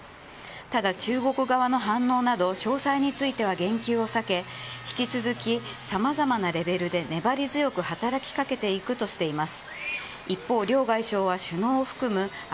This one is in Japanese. ただ、中国側の反応など詳細については言及を避け引き続き、様々なレベルで粘り強く働きかけていくとしています。